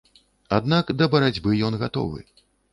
Аднак да барацьбы ён гатовы.